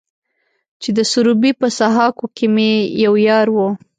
چې د سروبي په سهاکو کې مې يو يار و.